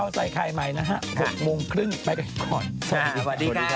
วัดกระป้ายขอร์ว์พอบประกอบ